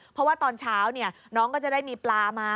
เพราะว่าตอนเช้าน้องก็จะได้มีปลามา